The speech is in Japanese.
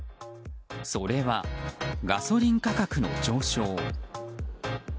それは、ガソリン価格の上昇。